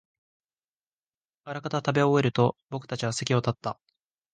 あらかた食べ終えると、僕たちは席を立った